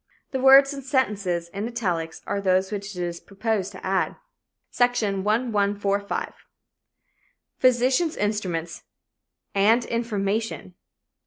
The words and sentences in italics are those which it proposed to add: "(Section 1145.) Physicians' instruments and information.